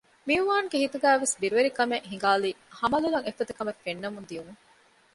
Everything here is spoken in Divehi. މިއުވާންގެ ހިތުގައިވެސް ބިރުވެރިކަމެއް ހިނގާލީ ހަމަލޮލަށް އެފަދަ ކަމެއް ފެންނަމުން ދިއުމުން